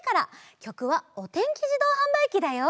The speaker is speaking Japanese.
きょくは「おてんきじどうはんばいき」だよ。